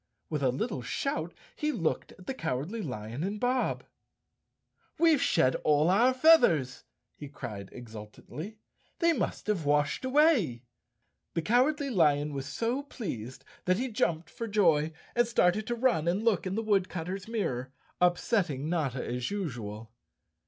With a little shout he looked at the Cowardly Lion and Bob. "We've all shed our feathers," he cried exultantly. "They must have washed away." The Cowardly Lion 195 The Cowardly Lion of Oz was so pleased that he jumped for joy, and started to run and look in the woodcutters mirror, upsetting Notta as usual.